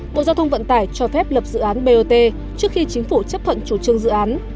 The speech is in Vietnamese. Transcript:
bộ giao thông vận tải cho phép lập dự án bot trước khi chính phủ chấp thuận chủ trương dự án